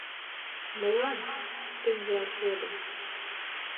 — Молан? — тӱҥ врач йодо.